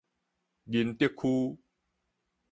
仁德區